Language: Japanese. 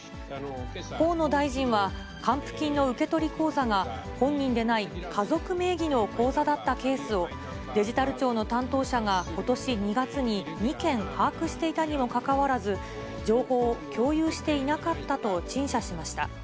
河野大臣は、還付金の受取口座が、本人でない家族名義の口座だったケースを、デジタル庁の担当者が、ことし２月に２件把握していたにもかかわらず、情報を共有していなかったと陳謝しました。